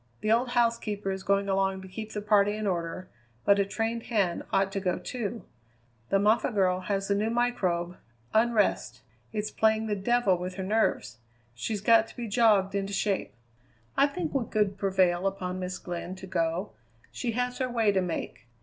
The old housekeeper is going along to keep the party in order, but a trained hand ought to go, too. The Moffatt girl has the new microbe Unrest. It's playing the devil with her nerves. She's got to be jogged into shape." "I think we could prevail upon Miss Glynn to go. She has her way to make.